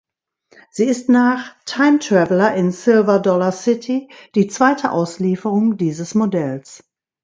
Sie ist nach Time Traveler in Silver Dollar City die zweite Auslieferung dieses Modells.